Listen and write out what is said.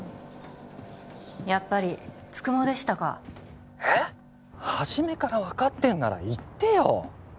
やっぱり九十九でしたかえはじめから分かってんなら言ってよ